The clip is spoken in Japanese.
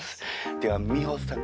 では美穂さん